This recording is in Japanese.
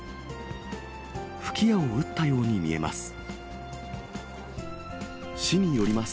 吹き矢を撃ったように見えます。